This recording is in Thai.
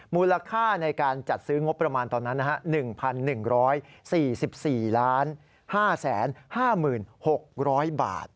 มูลค่าในการจัดซื้องบประมาณตอนนั้น๑๑๔๔๕๕๖๐๐บาท